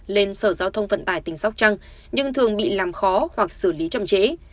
lên sở giao thông vận tải tỉnh sóc trăng nhưng thường bị làm khó hoặc xử lý chậm trễ